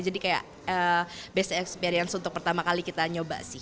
jadi kayak best experience untuk pertama kali kita nyoba sih